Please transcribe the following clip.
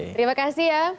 terima kasih ya